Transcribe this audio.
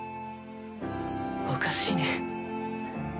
おかしいね。